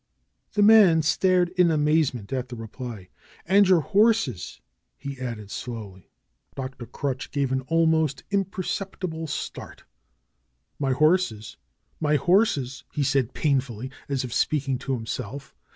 The man stared in amazement at the reply. "And your horses!" added he slowly. Dr. Crutch gave an almost imperceptible start. "My horses ! My horses !" he said painfully, as if speaking to himself.